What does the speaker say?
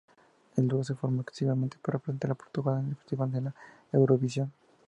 El dúo se formó exclusivamente para representar a Portugal en el Festival de Eurovisión.